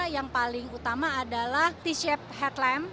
yang paling utama adalah t shape headline